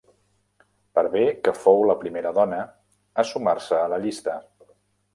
Per bé que fou la primera dona a sumar-se a la llista.